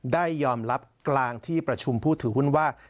ได้ยอมรับกลางที่ประชุมผู้ถือหุ้นว่า